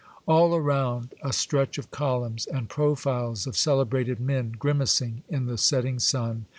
All around, a stretch of columns, and profiles of celebrated men grimacing in the setting sun.